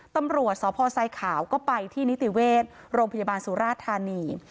ตำรวจสพไซขาวก็ไปที่นิติเวชโรงพยาบาลสุราธานี